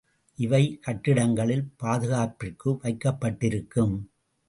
இவை கட்டிடங்களில் பாதுகாப்பிற்கு வைக்கப்பட்டிருக்கும்.